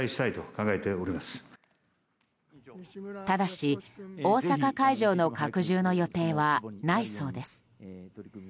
ただし、大阪会場の拡充の予定はないそうです。